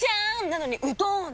なのにうどーん！